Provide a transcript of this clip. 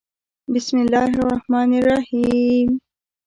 بسم الله الرحمن الرحیم